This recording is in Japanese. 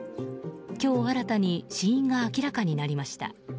今日新たに死因が明らかになりました。